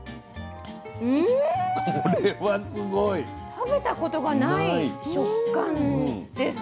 食べたことがない食感です。